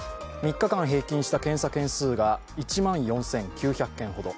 ３日間平均した検査件数が１万４９００件ほど。